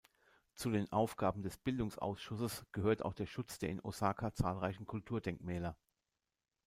Zu den Aufgaben des Bildungsausschusses gehört auch der Schutz der in Osaka zahlreichen Kulturdenkmäler.